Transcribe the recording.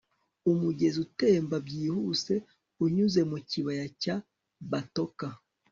umugezi utemba byihuse unyuze mu kibaya cya batoka